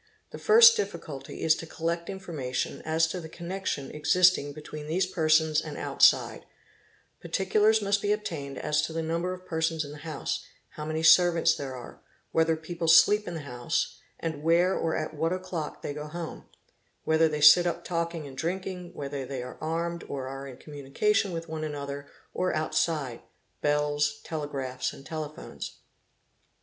The first difticulty is to collect information as to the con nection existing between these persons and outside; particulars must ' be obtained as to the number of persons in the house, how many servants 'there are, whether people sleep in the house and where or at what o'clock 'they go home, whether they sit up talking and drinking, whether they "are armed or are in communication with one another or outside (bells, 'telegraphs, and telephones).